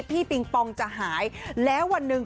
ปิงปองจะหายแล้ววันหนึ่ง